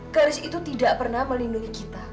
garis itu tidak pernah melindungi kita